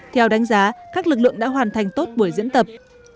theo đánh giá các lực lượng đã hoàn thành tốt buổi diễn tập